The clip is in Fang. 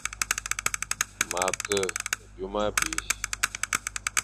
Ma kw byôm abi.